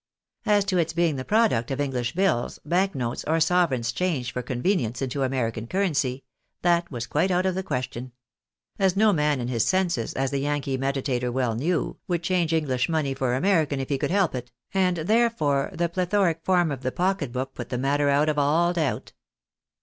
As to its being the product of Enghsh bills, bank notes, gr sovereigns Changed for convenience into Americ3,n currency, that wfis quite out of the question ; as no man, in his senses, as the Yankee meditator well knew, would change ISnglisb money for American, if he could help it ; and, therefore, the ple thoric form of the pocket book put^the matter out of all doubt.